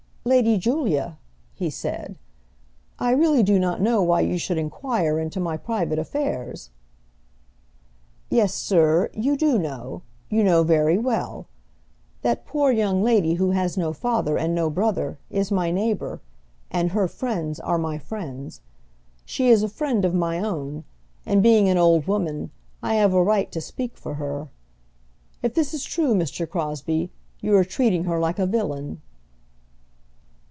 "Lady Julia," he said, "I really do not know why you should inquire into my private affairs." "Yes, sir, you do know; you know very well. That poor young lady who has no father and no brother, is my neighbour, and her friends are my friends. She is a friend of my own, and being an old woman, I have a right to speak for her. If this is true, Mr. Crosbie, you are treating her like a villain."